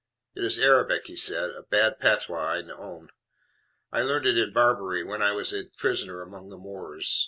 "It is Arabic," he said; "a bad patois, I own. I learned it in Barbary, when I was a prisoner among the Moors.